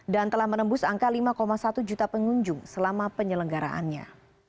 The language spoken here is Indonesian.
dan telah menembus angka lima satu juta pengunjung selama penyelenggaraannya